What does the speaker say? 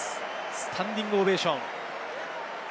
スタンディングオベーション。